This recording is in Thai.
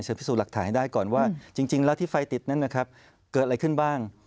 พิสูจน์หลักฐานให้ได้ก่อนว่าจริงแล้วที่ไฟติดนั้นนะครับเกิดอะไรขึ้นบ้าง